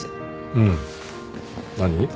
うん。何？